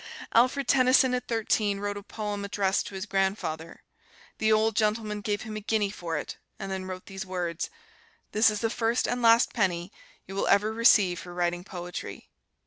Alfred Tennyson at thirteen wrote a poem addressed to his grandfather; the old gentleman gave him a guinea for it, and then wrote these words: "This is the first and last penny you will ever receive for writing poetry."